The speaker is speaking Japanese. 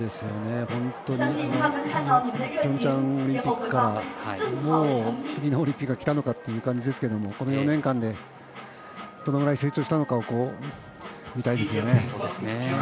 本当にピョンチャンオリンピックからもう次のオリンピックがきたのかって感じですけどこの４年間で、どのぐらい成長したのかを見たいですよね。